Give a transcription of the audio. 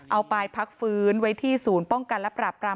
เอาไปพักฟื้นไว้ที่ศูนย์ป้องกันและปราบราม